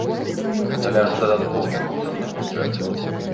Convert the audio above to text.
Гэта ляжа дадатковым грузам на бюджэт.